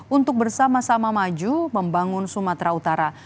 untuk bersama sama maju membangun sumatera utara